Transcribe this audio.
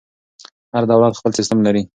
هر دولت خپل سیسټم لري.